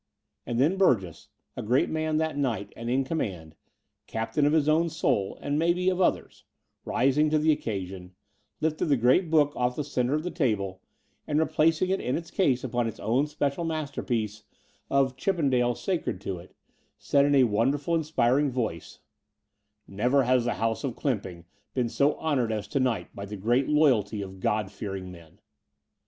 And then Burgess, a great man that night and in command, captain of his own soul and, maybe, of others, rising to the occasion, lifted the great book off the centre of the table and, replacing it in its cas6 upon its own special masterpiece of Chip 28o The Door of the Unreal pendale sacred to it, said in a wonderfully inspiring voice: "Never has the House of Clymping been so honoured as to night by the great loyalty of God fearing men."